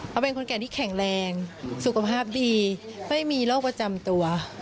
เขาเป็นคนแก่ที่แข็งแรงสุขภาพดีไม่มีโรคประจำตัว